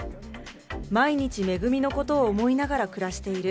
毎日、めぐみのことを思いながら暮らしている。